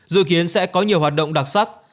dự kiến sẽ có nhiều hoạt động đặc sắc